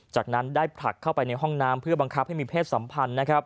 จากนั้นได้ผลักเข้าไปในห้องน้ำเพื่อบังคับให้มีเพศสัมพันธ์นะครับ